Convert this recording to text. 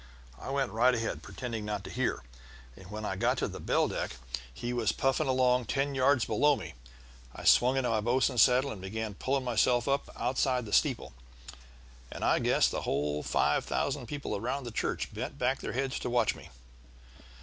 I went right ahead, pretending not to hear, and when I got to the bell deck he was puffing along ten yards below me. I swung into my 'bosun's saddle' and began pulling myself up outside the steeple, and I guess the whole five thousand people around the church bent back their heads to watch me.